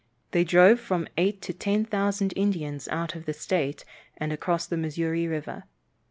They drove from eight to ten thousand Indians out of the state, and across the Missouri river.